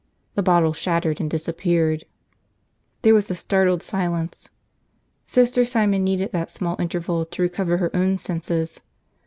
The bottle shattered and disappeared. There was a startled silence. Sister Simon needed that small interval to recover her own senses.